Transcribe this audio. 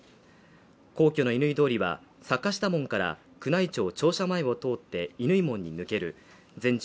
皇居乾通りは坂下門から宮内庁庁舎前を通って乾門に抜ける全長